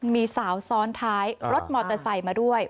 มีสาวซ้อนท้ายรถมอเตอร์ไซค์มาด้วย